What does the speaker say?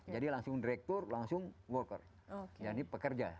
jadi langsung direktur langsung pekerja